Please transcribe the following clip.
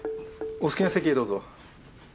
お好きな席へどうぞ。